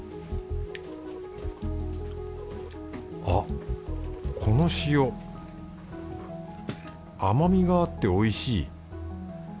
あっこの塩甘みがあっておいしい